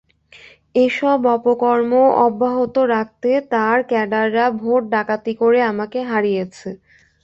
এসব অপকর্ম অব্যাহত রাখতে তাঁর ক্যাডাররা ভোট ডাকাতি করে আমাকে হারিয়েছে।